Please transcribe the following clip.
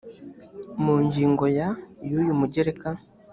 mu ngingo ya y uyu mugereka